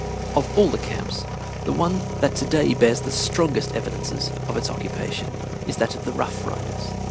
Of all the camps, the one that to day bears the strongest evidences of its occupation is that of the Rough Riders.